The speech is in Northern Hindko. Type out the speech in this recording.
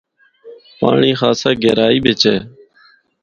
پانڑی خاصا گہرائی بچ اے۔